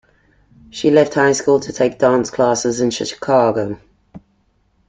She left high school to take dance classes in Chicago.